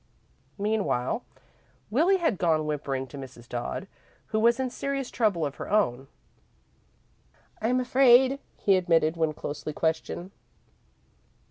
Meanwhile, Willie had gone whimpering to Mrs. Dodd, who was in serious trouble of her own. "I'm afraid," he admitted, when closely questioned.